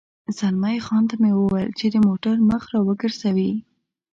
زلمی خان ته مې وویل چې د موټر مخ را وګرځوي.